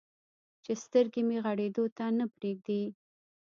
چې سترګې مې غړېدو ته نه پرېږدي.